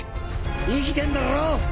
生きてんだろ！？